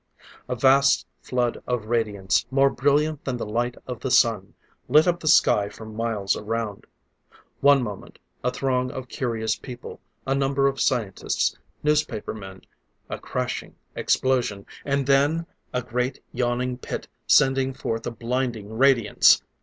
A vast flood of radiance, more brilliant than the light of the sun, lit up the sky for miles around. One moment, a throng of curious people, a number of scientists, newspaper men a crashing explosion and then a great, yawning pit sending forth a blinding radiance!